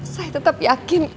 saya tetap yakin